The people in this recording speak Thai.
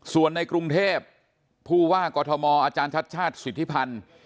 ส่วนในกรุงเทพผู้ว่ากอทมอาจารย์ชัดชาติสิทธิพันธ์